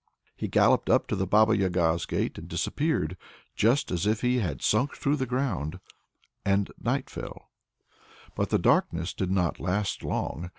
He galloped up to the Baba Yaga's gate and disappeared, just as if he had sunk through the ground and night fell. But the darkness did not last long.